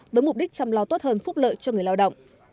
với mục đích chăm lo tốt hơn phúc lợi cho người lao động